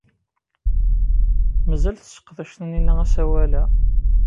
Mazal tesseqdac Taninna asawal-a?